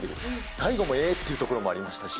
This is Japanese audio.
最後もええ？というところもありましたし。